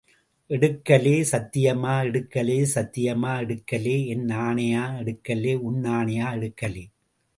எடுக்கலே!, சத்தியமா எடுக்கலே!, சத்தியமா எடுக்கலே!, என் ஆணையா எடுக்கலே!, உன் ஆணையா எடுக்கலே!